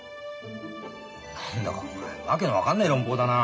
何だかお前訳の分かんねえ論法だなあ。